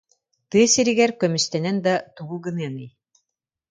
Тыа сиригэр көмүстэнэн да тугу гыныаҥый